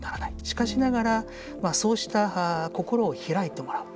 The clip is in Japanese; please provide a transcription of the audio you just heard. しかしながらそうした心を開いてもらう。